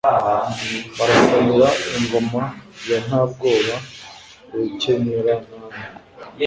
Barasanira ingoma ya Ntabwoba i Bukenyera-ntama,